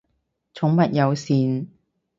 寵物友善